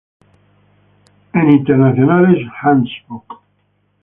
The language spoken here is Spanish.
Ein internationales Handbuch".